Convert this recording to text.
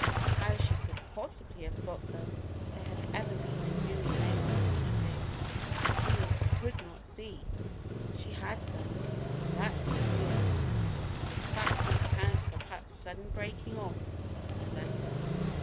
How she could possibly have got them, if they had ever been in Louis Mayen's keeping, Juliet could not see. But she had them she had them! That was clear: and the fact would account for Pat's sudden breaking off of a sentence.